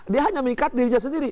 dia hanya mengikat dirinya sendiri